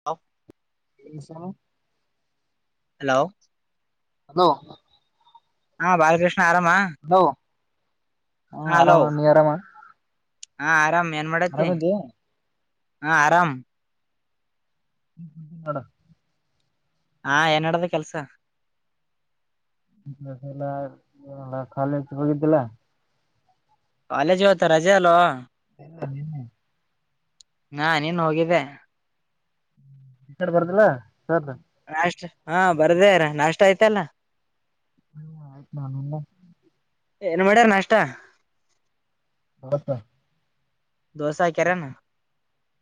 [unintelligible] [unintelligible] Hello hello ಹಾ ಬಾಲಕೃಷ್ಣ ಆರಾಮ? Hello ಹಾ ಹಲೋ ಆರಾಮ ನೀ ಆರಾಮ? ಹಾ ಆರಾಮ್ ಏನ್ ಮಾಡತಿ ಆರಾಮದಿ ಹ ಆರಾಮ್. [unintelligible] ಹಾ ಏನ ನಡದದ ಕೆಲ್ಸಾ? ಏನು ಇಲ್ಲಾ ಹಾ ಕಾಲೇಜ್ ಹೋಗಿದ್ದಿಲ್ಲ? ಕಾಲೇಜ್ ಇವತ್ತ್ ರಜೆ ಅಲ್ಲೊ. [unintelligible] ನಾ ನೀನ್ನೇ ಹೋಗಿದ್ದೆ. [unintelligible] ಬರ್ದಿಲ್ಲಾ ಹೇಳ್ತೇನ್ ಅಷ್ಟೇ ಹಾ ಬರ್ದೇರ ನಾಷ್ಟ ಆಯ್ತಲ್ಲಾ? ಹ್ಮ ಆಯ್ತಪಾ ನಿಂದ? ಏನ್ ಮಾಡ್ಯಾರ ನಾಷ್ಟಾ? ಅವಲಕ್ಕಿ. ದೋಸಾ ಹಾಕ್ಯರ್ ಏನ್?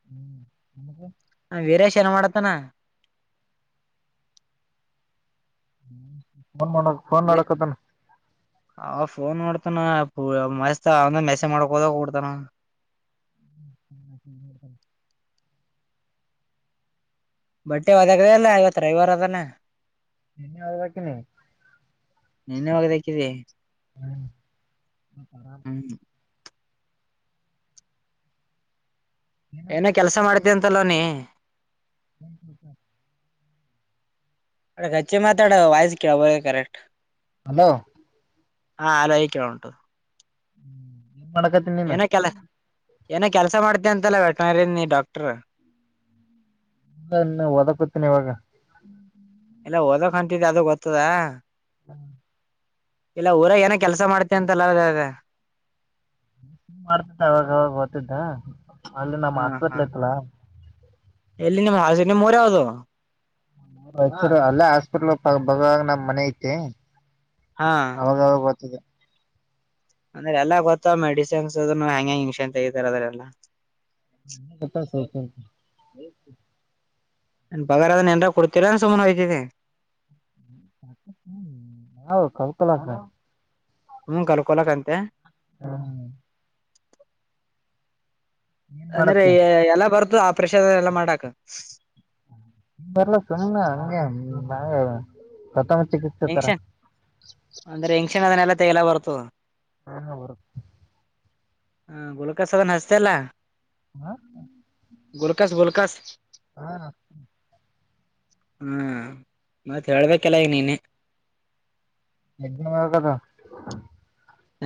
ಹ್ಮ್ ನಮಗೆ? ಹ ವೀರೇಶ್ ಏನ ಮಾಡತನ ಫೋನ್ ನೋಡ ಫೋನ್ ನೋಡಕತನ ಅವ ಫೋನ್ ಮಾಡತಾನ ಪ ಮಸ್ತ್ ಅಮೇಕ ಮೆಸೇಜ್ ಮಾಡಕ್ಕ ಹೋಗ್ಬಿಡ್ತಾನ [inaudible] ಬಟ್ಟೆ ಒದಾಗದ ಅಲ್ಲ ಇವತ್ತು ರೈವರ್ ಅದಾನ ನಾ ಹೋತಿನಿ ನೆನ್ನೆ ಹೋಗದಾಕಿದೆ ಹ್ಮ್ ಹ್ಮ್ ಏನೋ ಕೆಲಸ ಮಾಡ್ತೀಯ ಅಂತಲ್ಲ ನೀ ಹ್ಮ್ ಹ್ಮ್ ಹ್ಮ್ [unintelligible] ಹೆಚ್ಚಿ ಮಾತಾಡ ವಾಯಸ್ ಕೇಳರ ಕರೆಕ್ಟ್ ಹಲೋ ಹಾ ಹಲೋ ಇಗ ಕೇಳ ಉಂಟು ಏನ್ ಮಾಡಕತಿ ಏನ ಕೆಲ್ಲ ಏನೋ ಕೆಲಸ ಮಾಡ್ತಿಯಂತಲ್ಲ ವೆಟನರಿ ನೀ ಡಾಕ್ಟರ್ ಇಲ್ಲ ಇನ್ನ ಓದಕತೀನಿ ಇವಾಗ ಇಲ್ಲ ಓದಕ್ ಹೊಂಟಿದ ಅದ ಗೊತ್ತದಾ [inaudible] ಇಲ್ಲ ಊರಗ ಏನೋ ಕೆಲಸ ಮಾಡ್ತೀಯ ಅಲ್ಲ ಆಗ ಆಗ [unintelligible] ಅವಾಗಾವಗ ಬರ್ತಿದ್ದೆ ಅಲ್ಲಿ ನಮ್ ಹಾ ಹಾ ಹಾಸ್ಪಿಟಲ್ ಐತಲ್ಲ ಎಲ್ಲಿ ನಿಮ್ಮ್ ಹ ನಿಮ್ ಊರು ಯಾವುದು ಅಲ್ಲೇ ಹಾಸ್ಪಿಟ್ಲ್ ಪಕ್ಕದಾಗ ನಮ್ ಮನೆ ಐತೆ ಹಾ ಅವಾಗವಾಗ ಬರ್ತಿದೆ ಅಂದ್ರೆ ಎಲ್ಲಾ ಗೊತ್ತ ಮೆಡಿಸಿನ್ಸ್ ಅದು ಹೆಂಗೆಹೆಂಗೆ [unintelligible] ಅದ್ರಲ್ಲಾ [unintelligible] [inaudible] [unintelligible] ಎನಾರ ಕೊಡ್ತೀರಾ ಸುಮ್ಮನೆ ಹೊಯ್ತಿನಿ ಕೌಕಲಕ ಹ್ಮ್ ಕಲ್ಕೊಲಕ್ ಅಂತೆ ಹಾ ಏನ್ ಅಂದ್ರೆ ಮಾಡತಿ ಎಲ್ಲ ಬರ್ತದ ಆಪರೇಷನ್ ಎಲ್ಲಾ ಮಾಡಾಕ್ ಬರ್ಲ್ಲ ಸುಮ್ನೆ ಹಂಗೆ [unintelligible] ಎಂಗಕ್ಷನ್ ಅಂದ್ರೆ ಎಂಗಕ್ಷನ್ ಅದನ್ನೆಲ್ಲ [unintelligible] ಬರ್ತದೆ ಹಾ ಹಾ ಬರತ್ತ ಹ ಗುಲಕಸ್ ಅದನ್ [unintelligible] ಅಲ್ಲಾ ಹಾ ಗುಲ್ಕಸ್ ಗುಲ್ಕಸ್ ಹಾ ಹ್ಮ್ ಮತ್ ಹೇಳಬೇಕೆಲ್ಲಾ ಈಗ ನೀನೆ ಹೆಂಗೆ ಹೋಗೋದು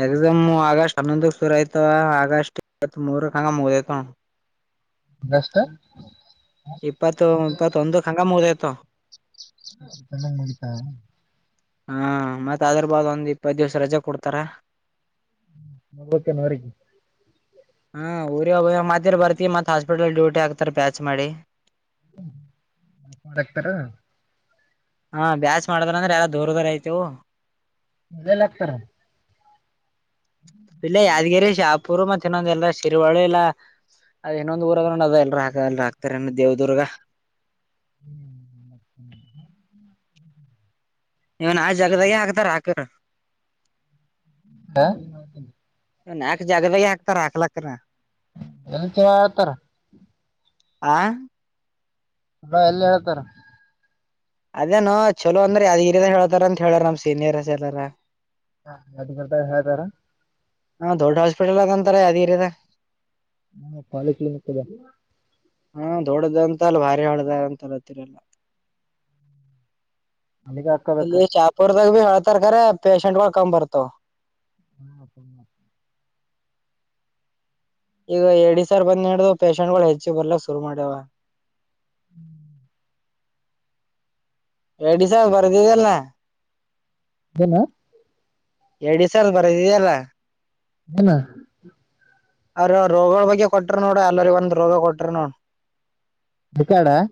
ಎಕ್ಸಾಮ್ ಆಗಸ್ಟ್ ಹನ್ನೊಂದಕ್ ಶುರು ಆಯ್ತವ ಆಗಸ್ಟ್ ಇಪ್ಪತ್ ಮೂರಕ್ ಹಂಗ ಮುಗ್ಯತವ ನಷ್ಟ ಇಪ್ಪತ್ತು ಇಪ್ಪತ್ ಒಂದು ಹಂಗ ಮುಗಿದೋಯ್ತು ಕ್ಲಾಸೆಸ್ ಎಲ್ಲಾ ಮುಗೀತಾ ಹಾ ಮತ್ ಅದ್ರ ಬಾದ್ ಒಂದ್ ಇಪ್ಪತ್ ದಿವಸ ರಜೆ ಕೊಡ್ತಾರ ಕೆ ನ್ರ [inaudible] ಹ್ಮ ಊರಿ [unintelligible] ಮತ್ತರ್ ಬರ್ತಿ ಮತ್ ಹಾಸ್ಪಿಟಲ್ ಡೂಟಿ ಹಾಕ್ತಾರ್ ಪ್ಯಾಚ್ ಮಾಡಿ. ಕಡಕ್ತಾರ [unintelligible] ಹಾ ಬ್ಯಾಚ್ ಮಾಡಿದ್ರ ಅಂದ್ರೆ ಎಲ್ಲ ದೂರ ದೂರ ಆಯ್ತೇವು. ಮಲ್ಲ ಆಗ್ತಾರ [unintelligible] ಇಲ್ಲೇ ಯಾದಗಿರಿ, ಶಾಪುರ್ ಮತ್ತೆ ಇನ್ನೊಂದಎಲ್ಲ ಶಿರಿವಾಳ ಇಲ್ಲ ಅದ್ ಇನೊಂದ್ ಊರದ ಅದ ಎಲ್ಲರ [unintelligible] ಎ ಹಾತಾರೆ ದೇವದುರ್ಗ. ಹ್ಮ್್ಮ [inaudible] ಇವನ್ ಆ ಜಾಗದಾಗೆ ಹಾತಾರ ಆಕಿದ್ರ. ಹಾ [inaudible] ಆ ಜಾಗಬೇಕಗೆ ಯಕತ ರಾಕ್ಲಕ್ಕಣ ಎಲ್ಲಿ ಚಲ ಹೇಳ್ತಾರ [unintelligible] ಆ [inaudible] ಬ್ರೋ ಎಲ್ಲಿ ಹೇಳ್ತಾರ ಅದೇನೊ ಚಲೋ ಅಂದ್ರೆ ಅದ ಇರಿದಾ [unintelligible] ಹೇಳ್ತಾರ ಅಂತ ಹೇಳಾರ ನಮ್ ಸೀನಿಯರ್ ಎಲ್ಲಾರ. ಹ ಅದ ಬರ್ದ ಹೇತಾರ [unintelligible] ಅಣ್ಣಾ ದೊಡ್ಡ ಹಾಸ್ಪಿಟಲ್ ಆದ ಅಂತಾಲ ಯಾದಗಿರಿದಾಗ. ಹಾ ಕಾಲೇಜ್ಲ ಬ [unintelligible] [inaudible] ಹಾ ದೊಡ್ಡದಂತ ಅಲ್ಲ ಭಾರಿ ಹಳ್ದ ಅಂತತ್ತೀರಲ್ಲ. ಅಮಗ [inaudible] ಇಲ್ಲಿ ಶಾಪುರ್ದಾಗ ಭಿಹೇಳ್ತರ್ ಕರೆ ಪೇಶೆಂಟ್ಗಳು ಕಮ್ಮಬರ್ತಾವ. ಹಾ ಹ [inaudible] ಈಗ ಎಡಿ ಸರ್ ಬಂದ್ ನೋಡು ಪೇಶಷಂಟ್ಗಳು ಹೆಚ್ಚಗೆ ಬರ್ಲಕ್ ಶುರು ಮಾಡ್ಯಾವ. ಹ್ಮ್ [inaudible] ಎಡಿಿಸಾವ ಬದಲ್ಲ ನ [unintelligible] ಎನೂ ಎಡಿ ಸರ್ ಬರದೆಯಿಲ್ಲಾ ಹನಾ [inaudible] ಅದ್ರಗರೋಗಗಳ ಬಗ್ಗೆ ಕೊಟ್ರ ನೋಡ ಎಲ್ಲಾ ರಿ ಒಂದೊಂದು ರೋಗ ಕೊಟ್ರ ನೋಡು. ಬಕ್ಕಡ [inaudible]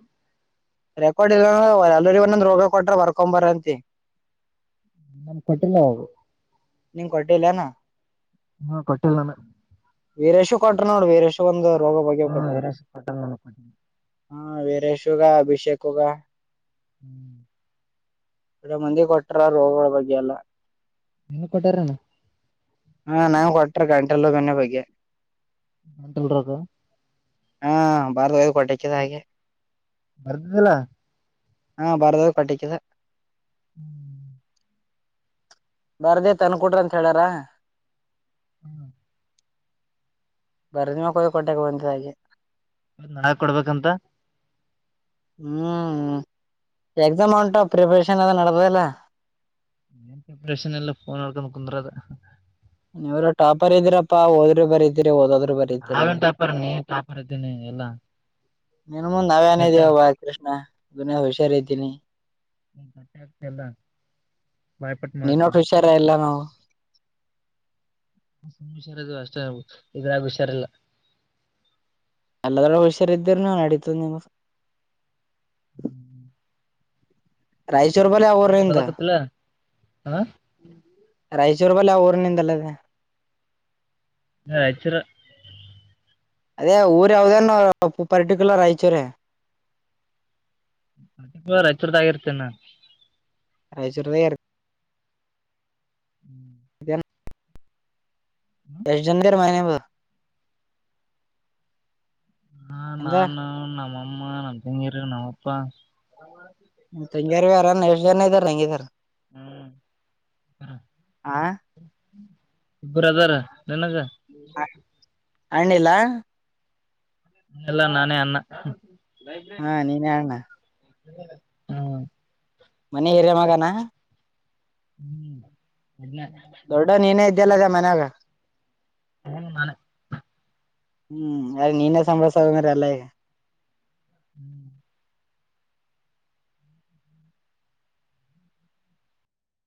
ರೆಕಾರ್ಡ್ ಇರವೆ ಎಲ್ಲಾರಿಗೆ ಒಂದೊಂದ ರೋಗ ಕೊಟ್ರ ಬರ್ಕೊಂಬರಂತ ಹೇಳ್ ನಮ್ ಕೊಟ್ಟಿಿಲ್ಲ ಹೋಗರು [unintelligible] ನಿನಗಕೊಟ್ಟಿಲ್ಲೇನಾ ಹ್ಮ ಕೊಟ್ಟಿಲ್ಲ ನಾನ ವೀರೇಶ ಕೊಟ್ಟರ ನೋಡ ವೀರೇಶ ಒಂದು ರೋಗ ಬಗೆ ಹ್ಮ್ ಕೊಟ್ಟರ. ವೀರೇಶ್ ಕೊಟ್ಟಲ್ಲ ನನಗ್ ಕೊಟ್ಟಿಲ್ಲ ಹ್ಮ ವೀರೇಶಗ, ಅಭಿಷೇಕ್ಗ ಹ್ಮ್ [inaudible] ಇಡ ಮಂದಿ ಕೊಟ್ಟಾರ ರೋಗಗಳ ಬಗ್ಗೆ ಎಲ್ಲಾ. ನಿನ್ನ ಕೊಟ್ಟಾರನ [unintelligible] ಹಾ ನಾನ್ ಕೊಟ್ರ ಗಂಟೆಲು ಬೆನೆ ಬಗ್ಗೆ ಎಂಟಲ್ರ [inaudible] [unintelligible] ಹಾ, [unintelligible] ಬಾರದ ಕ ಕ್ಕೆದ ಹಾಗಗೆ ಬರ್ದಿಲ್ಲ ಹಾ ಬರ್ದಾಗ ಕಟ್ಟಕ್ಕಿದ [unintelligible] ಹ್ಮ್ [inaudible] ಬರ್ದ ತನ್ಕೊಟ್ರಿಅಂತ ಹೇಳಾರ. ಹ್ಮ್ [inaudible] ಬರನ್ಯಾಕೊ ಕೊಟ್ಟಕ್ಕೆ ಬಂದ ಹಾಗೆ. [unintelligible] ನಾ ಏಕ್ ಕೊಡ್ಬೇಕಂತ. [unintelligible] ಹೂ ಎಕ್ಸಾಮ್ ಹೊಂಟವಾ ಪ್ರಿಪರೇಷನ್ ಅದ ನಡದಲ್ಲ. [unintelligible] ಪ್ರಿಪರೇಷನ್ ಇಲ್ಲ ಫೋನ್ ನೋಡ್ಕೊಂಡು ಕುಂದರೋದ. [unintelligible] ನೀವರ ಟೋಪರ್ ಇದೀರಪ್ಪಾ ಓದಿದ್ದರು ಬರೀತಿರಿ ಓದ ಆದರು ಬರಿ [unintelligible] ನಾವ ಏನ್ ಟಾಪರ್ ನೀನ್ ಟಾಪರ್ ಇದ್ದೀನಿ ಎಲ್ಲಾ. ನಿನ್ ಮುಂದ್ ನಾವೇ ಏನ ಇದೀವ ಬಾ ಕೃಷ್ಣ ಗುನೇ ಹುಷಾರ ಇದ್ದೀನಿ. [unintelligible] ತಟ್ಟೆ ಹಾಕತ್ತಿ ಇಲ್ಲ ಬಾಯಪಟ್ಟ ನೀನೊಟ್ ಮಾಡತ್ತಿನಿ. ಹುಷಾರ ಇಲ್ಲ ನಾವು [unintelligible] ಹುಷಾರದು ಅಷ್ಟೇ ಅವ ಇದ್ರಾಗ ಹುಷಾರಲ್ಲ. [unintelligible] ಅಲ್ಲದರ ಹುಷಾರ್ ಇದಿರನಾ ನಡಿತದ ನಿಮ್ದ. [unintelligible] ಹು. [unintelligible] ರಾಯಚೂರು ಬಲೆ ನೀನ್ ಅವರಿಂದ. [unintelligible] ಓದಕತ್ತಿಲ್ಲ ಹಾ ರಾಯಚೂರು ಬಲೇ ಊರಿನಿಂದ ಅಲ್ಲ ಅದ. [unintelligible] ರಾಯಚೂರು. [unintelligible] ಅದೇ ಊರ್ ಯಾವದೇನು ಪರ್ಟಿಕ್ಯುಲರ್ ರಾಯಚೂರೆ. [unintelligible] ಪ ರಾಯಚೂರು ದಾಗ ಇರ್ತೇನಾ. [unintelligible] ರಾಯಚೂರ ನಿಯರ್. [unintelligible] ಹೂ. [unintelligible] ಎಷ್ಟ ಜನ್ಂದರ ಮಾರಾಯಾವ [unintelligible] ಹಾ ಇಂದ ನಾನು ನಮ್ಮ ಅಮ್ಮ ನಮ್ಮ ತಂಗಿಯರ ನಮ್ಮ ಅಪ್ಪ. [unintelligible] ನಿಮ್ಮ ತಂಗಿಯರ ಅವರ ಅಣ್ಣ ಎಷ್ಟು ಜನ ಇದ್ದಾರ ತಂಗಿದಾರ ಹ್ಮ್ ಆ. [unintelligible] ಬ್ರದರ ಮೇಲಗ. [unintelligible] ಹ ಹಣ್ಣ ಇಲ್ಲಾ. [unintelligible] ಎಲ್ಲ ನಾನೇ ಅಣ್ಣಾ ಹ. ಹಾ ನೀನೇ ಅಣ್ಣ [unintelligible] ಮನೆಗೆ ಹಿರಿಯ ಮಗನಾ? [unintelligible] ಹೂ ಅಣ್ಣಾ ಅದಾನ. [unintelligible] ದೊಡ್ಡವ ನೀನೇ ಇದ್ದಲ್ಲ ಅದ ಮನ್ಯಾಗ. [unintelligible] ಪೋನ್ ಮಾಡ. [unintelligible] ಹೂ ಅವರಿಗೆ ನೀನೇ ಸಂಭಾಳ್ಸೋದು ಎಲ್ಲಾ ಈಗ. [unintelligible] ಹೂ. [unintelligible]